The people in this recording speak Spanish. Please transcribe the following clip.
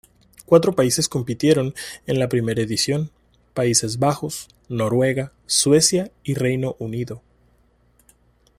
Cuatro países compitieron en la primera edición, Países Bajos, Noruega, Suecia y Reino Unido.